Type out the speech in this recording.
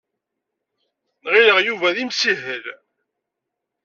Ɣileɣ Yuba d imsihel.